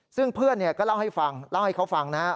ซึ่งเพื่อนก็เล่าให้ฟังเล่าให้เขาฟังนะครับ